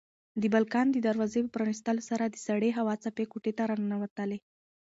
د بالکن د دروازې په پرانیستلو سره د سړې هوا څپې کوټې ته راننوتلې.